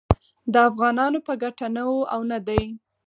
د افغانانو په ګټه نه و او نه دی